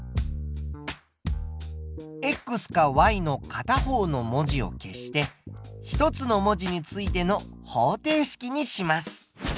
かの片方の文字を消して一つの文字についての方程式にします。